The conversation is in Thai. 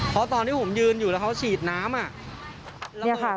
เพราะตอนที่ผมยืนอยู่แล้วเขาฉีดน้ำ